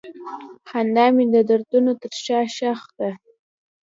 خندا مې د دردونو تر شا ښخ ده.